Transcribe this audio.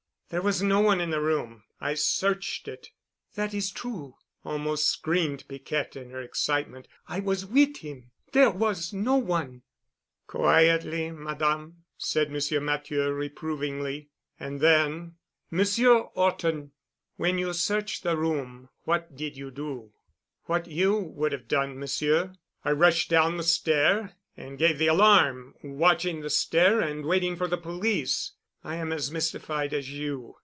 "There was no one in the room. I searched it." "That is true," almost screamed Piquette in her excitement. "I was wit' 'im. There was no one." "Quietly, Madame," said M. Matthieu reprovingly. And then, "Monsieur Horton, when you searched the room, what did you do?" "What you would have done, Monsieur—I rushed down the stair and gave the alarm, watching the stair and waiting for the police. I am as mystified as you.